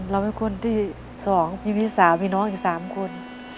เราเป็นคนที่๒พี่สาวมีน้องอีก๓คน